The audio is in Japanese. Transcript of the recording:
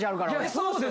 そうですよ